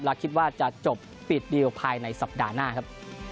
และคิดว่าจะจบปิดดีลภายในสัปดาห์หน้าครับ